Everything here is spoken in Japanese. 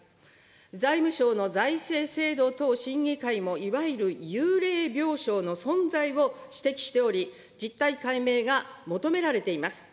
財務省の財政制度等審議会もいわゆる幽霊病床の存在を指摘しており、実態解明が求められています。